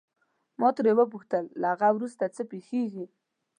ما ترې وپوښتل له هغه وروسته څه پېښیږي.